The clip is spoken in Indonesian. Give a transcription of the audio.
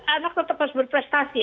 anak tetap harus berprestasi